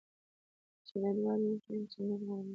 کله چې دا دواړه یو شي، انسانیت غوړېږي.